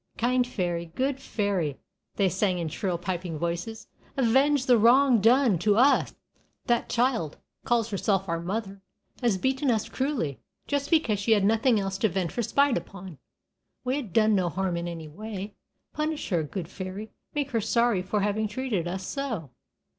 "Kind fairy! good fairy!" they said, in shrill piping voices, "avenge the wrong done to us. That child, who calls herself our mother, has beaten us cruelly, just because she had nothing else to vent her spite upon; we had done no harm in any way. Punish her, good fairy; make her sorry for having treated us so."